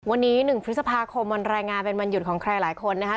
วันนี้๑พฤษภาคมวันรายงานเป็นวันหยุดของใครหลายคนนะคะ